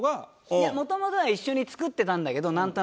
いやもともとは一緒に作ってたんだけどなんとなく。